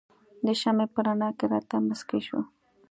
د شمعې په رڼا کې راته مسکی شو.